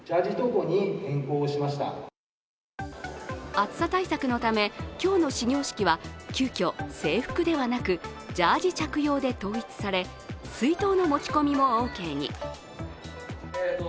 暑さ対策のため、今日の始業式は急きょ、制服ではなくジャージ着用で統一され水筒の持ち込みもオーケーに。